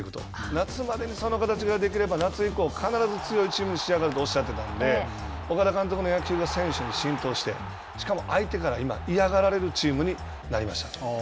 夏までにその形ができれば夏以降、必ず強いチームに仕上がるとおっしゃっていたので岡田監督の野球が選手に浸透して、しかも、相手から今嫌がられるチームになりました。